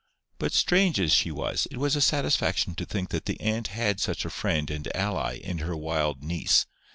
But strange as she was it was a satisfaction to think that the aunt had such a friend and ally in her wild niece.